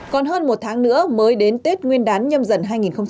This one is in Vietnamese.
còn hơn một tháng nữa mới đến tết nguyên đán nhâm dần hai nghìn hai mươi